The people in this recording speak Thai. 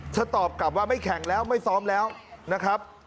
ตอบกลับว่าไม่แข่งแล้วไม่ซ้อมแล้วนะครับ